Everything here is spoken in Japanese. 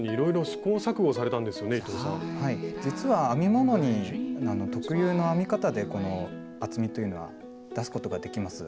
実は編み物に特有の編み方でこの厚みというのは出すことができます。